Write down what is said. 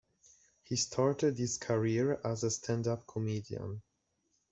He started his career as a stand-up comedian.